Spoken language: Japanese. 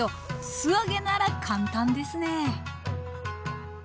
素揚げなら簡単ですね。